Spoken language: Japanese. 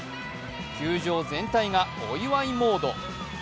球場全体がお祝いモード。